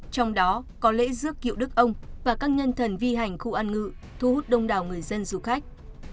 trong đó có lễ rước kiệu đức ông và các nhân thần vi hành khu ăn ngự thu hút đông đảo người dân du khách